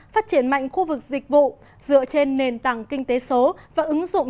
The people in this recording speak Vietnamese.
phát triển mạnh khu vực dịch vụ dựa trên nền tảng kinh tế số và ứng dụng